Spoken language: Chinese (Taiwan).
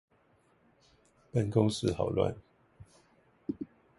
辦公室好亂